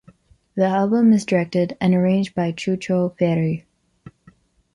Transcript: The album is directed and arranged by Chucho Ferrer.